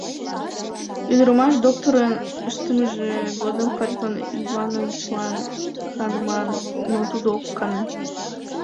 Ӱдырамаш докторын ыштымыже годым Харитон Ивановичлан каныман, но тудо ок кане.